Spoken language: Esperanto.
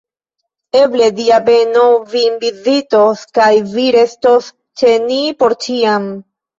Eble, Dia beno vin vizitos, kaj vi restos ĉe ni por ĉiam!